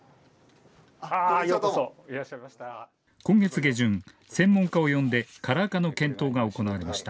今月下旬、専門家を呼んでカラー化の検討が行われました。